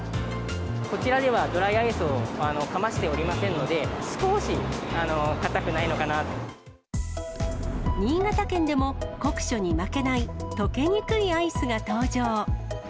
こちらではドライアイスをかましておりませんので、新潟県でも、酷暑に負けない溶けにくいアイスが登場。